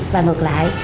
và ngược lại